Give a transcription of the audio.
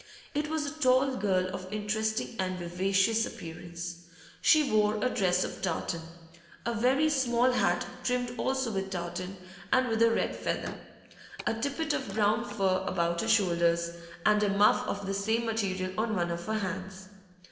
It was a tall girl of interesting and vivacious appearance; she wore a dress of tartan, a very small hat trimmed also with tartan and with a red feather, a tippet of brown fur about her shoulders, and a muff of the same material on one of her hands.